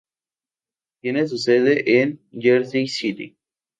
Tiene su sede en Jersey City.